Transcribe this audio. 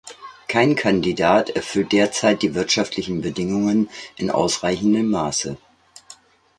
Kein Kandidat erfüllt derzeit die wirtschaftlichen Bedingungen in ausreichendem Maße.